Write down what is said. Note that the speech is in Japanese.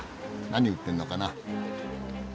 何売ってんのかな？